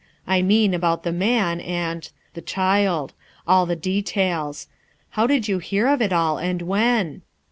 I mean about the man and— the child; all the details. How did you hear of it all, and when?"